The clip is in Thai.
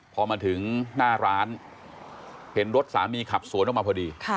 พอมาถึงหน้าร้านเห็นรถสามีขับสวนออกมาพอดี